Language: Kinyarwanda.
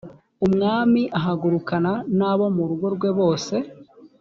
umwami ahagurukana n abo mu rugo rwe bose